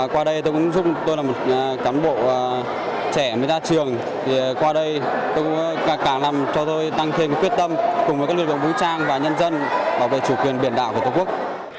qua đây tôi cũng giúp tôi là một cán bộ trẻ mới ra trường thì qua đây tôi càng làm cho tôi tăng thêm quyết tâm cùng với các lực lượng vũ trang và nhân dân bảo vệ chủ quyền biển đảo của tổ quốc